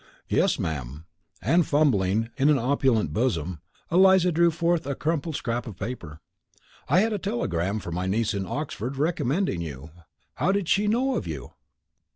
"Yes, ma'am;" and fumbling in an opulent bosom, Eliza drew forth a crumpled scrap of paper. "I had a telegram from my niece in Oxford recommending you. How did she know of you?"